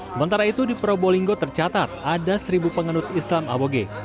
sementara itu di probolinggo tercatat ada seribu penganut islam aboge